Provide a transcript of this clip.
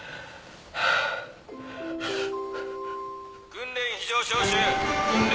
訓練非常招集訓練